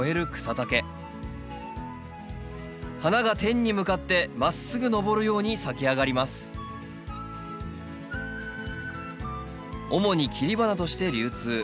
花が天に向かってまっすぐ上るように咲き上がります主に切り花として流通。